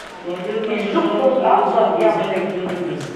Иззықәԥоз аӷба иақәтәеит.